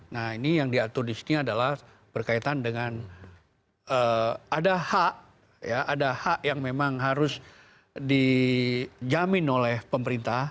nah ini yang diatur di sini adalah berkaitan dengan ada hak ada hak yang memang harus dijamin oleh pemerintah